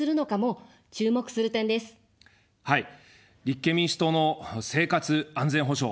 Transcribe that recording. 立憲民主党の生活安全保障。